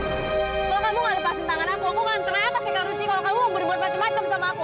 kalau kamu nggak lepasin tangan aku aku nggak nganterin apa sekaligus rutin kalau kamu mau buat macam macam sama aku